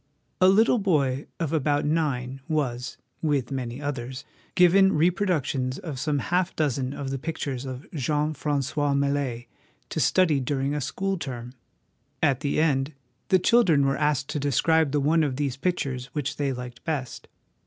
A little boy of about nine was (with many others) given reproductions of some half dozen of the pictures of Jean Francois Millet to study during a school term. At the end, the children were asked to describe the one of these pictures which they liked best.